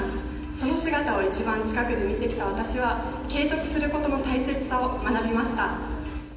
その姿を一番近くで見てきた私は、継続することの大切さを学びました。